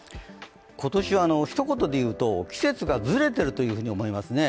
今年はひと言で言うと季節がずれてるというふうに思いますね。